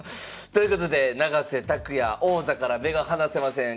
ということで永瀬拓矢王座から目が離せません。